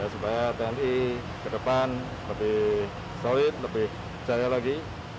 supaya tni ke depan lebih solid lebih jaya lagi